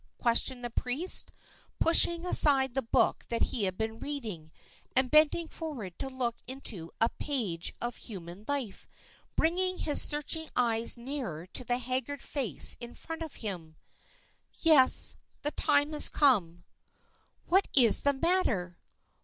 questioned the priest, pushing aside the book that he had been reading, and bending forward to look into a page of human life, bringing his searching eyes nearer to the haggard face in front of him. "Yes, the time has come." "What is the matter?"